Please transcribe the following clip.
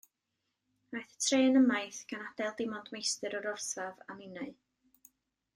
Aeth y trên ymaith, gan adael dim ond meistr yr orsaf a minnau.